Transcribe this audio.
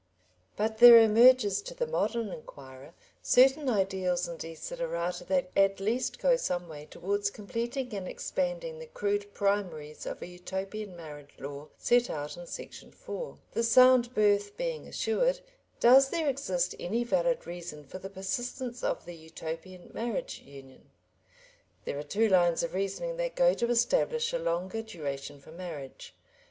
But there emerges to the modern inquirer certain ideals and desiderata that at least go some way towards completing and expanding the crude primaries of a Utopian marriage law set out in section 4. The sound birth being assured, does there exist any valid reason for the persistence of the Utopian marriage union? There are two lines of reasoning that go to establish a longer duration for marriage.